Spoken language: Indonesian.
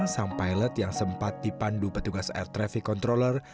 sang pilot yang sempat dipandu petugas air traffic controller